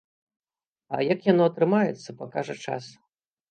А як яно атрымаецца, пакажа час.